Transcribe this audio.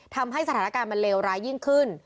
ทำให้สถานการณ์มันเลวร้ายยิ่งขึ้น